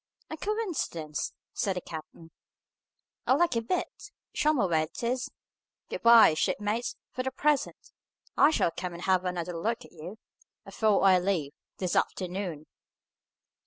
"A coincidence!" said the captain. "A lucky bit! Show me where it is. Good bye, shipmates, for the present! I shall come and have another look at you, afore I leave, this afternoon."